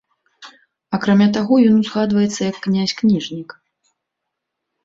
Акрамя таго ён узгадваецца як князь-кніжнік.